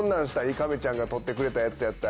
亀ちゃんが捕ってくれたやつやったら。